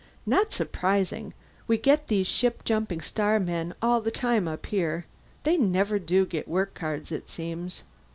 "Not surprising. We get these ship jumping starmen all the time up here; they never do get work cards, it seems.